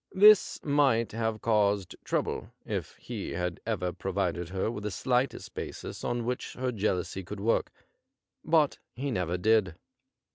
This might have Caused trouble if he had ever provided her with the slightest basis on which her jealousy could work, but he never did.